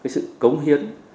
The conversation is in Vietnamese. sự cống hiến